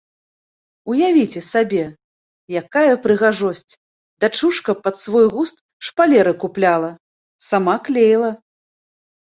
Уявіце сабе, якая прыгажосць, дачушка пад свой густ шпалеры купляла, сама клеіла.